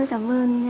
à rất cảm ơn